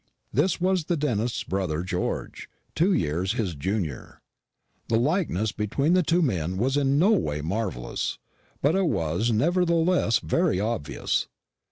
This was the dentist's brother George, two years his junior. The likeness between the two men was in no way marvellous, but it was nevertheless very obvious.